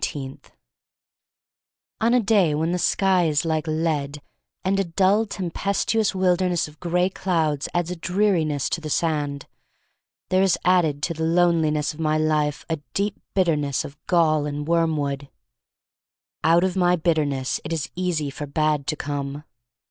Aatcb 19* ON A day when the sky is like lead and a dull, tempestuous wilder ness of gray clouds adds a dreari ness to the sand, there is added to the loneliness of my life a deep bitterness of gall and wormwood. Out of my bitterness it is easy for bad to come.